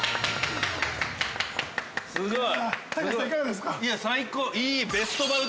すごい。